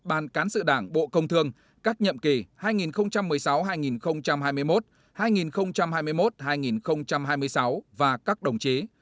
ban cán sự đảng bộ công thương các nhiệm kỳ hai nghìn một mươi sáu hai nghìn hai mươi một hai nghìn hai mươi một hai nghìn hai mươi sáu và các đồng chí